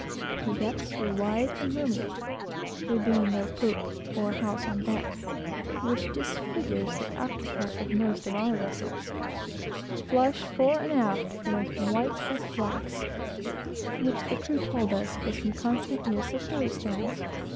Her decks were wide and roomy, (there being no poop, or house on deck, which disfigures the after part of most of our vessels,) flush, fore and aft, and as white as snow, which the crew told us was from constant use of holystones.